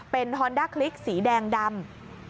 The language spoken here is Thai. เป็นฮอนด้าคลิกสีแดงดำ